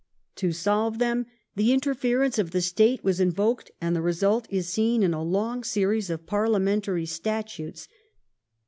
To solve them the interference of the State was invoked, terference ^^^ ^j^^ result Is seen in a long series of parliamentary statutes.